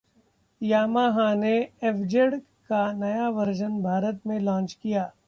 Yamaha ने FZ का नया वर्जन भारत में लॉन्च किया